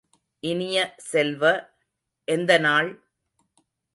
இனிய செல்வ, எந்த நாள்?